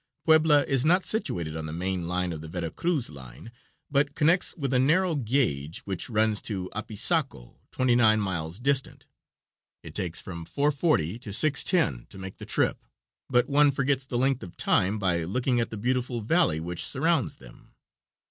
Puebla is not situated on the main line of the Vera Cruz line, but connects with a narrow gauge which runs to Apizaco, twenty nine miles distant. It takes from 4:40 to 6:10 to make the trip, but one forgets the length of time by looking at the beautiful valley which surrounds them.